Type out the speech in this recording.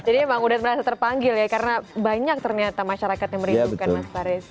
jadi emang udah merasa terpanggil ya karena banyak ternyata masyarakat yang merindukan mas faris